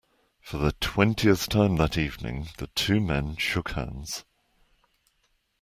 For the twentieth time that evening the two men shook hands.